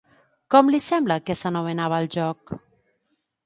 Com li sembla que s'anomenava el joc?